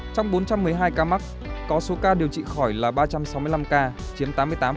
trong bốn trăm một mươi hai ca mắc có số ca điều trị khỏi là ba trăm sáu mươi năm ca chiếm tám mươi tám